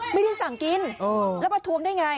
ไม่ได้สั่งกินแล้วประท้วงได้ไง